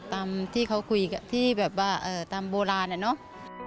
ตามที่เขาคุยที่แบบว่าตามโบราณอะเนาะ